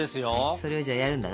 それをじゃあやるんだな。